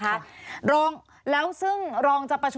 ครับบอกผมได้เลยครับ